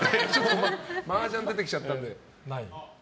マージャン出てきちゃったんで。